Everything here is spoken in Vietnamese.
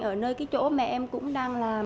ở nơi cái chỗ mẹ em cũng đang làm